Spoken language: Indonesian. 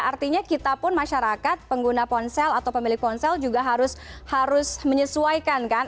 artinya kita pun masyarakat pengguna ponsel atau pemilik ponsel juga harus menyesuaikan kan